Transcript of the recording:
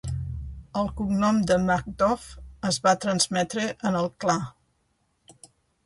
El cognom de Magdoff es va transmetre en el clar.